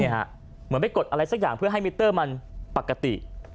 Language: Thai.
เหมือนไปกดอะไรสักอย่างเพื่อให้มิเตอร์มันปกติ